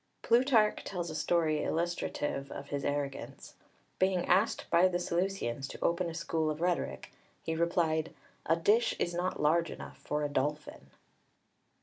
Plutarch tells a story illustrative of his arrogance. Being asked by the Seleucians to open a school of rhetoric, he replied, "A dish is not large enough for a dolphin" (ὡς οὐδὲ λεκάνη δελφῖνα χωροίη), v.